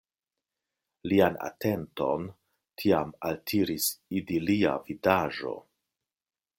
Lian atenton tiam altiris idilia vidaĵo.